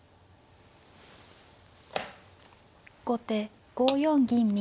後手５四銀右。